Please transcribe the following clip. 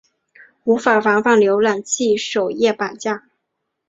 无法防范浏览器首页绑架。